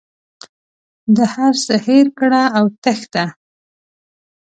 د هر څه هېر کړه او وتښته.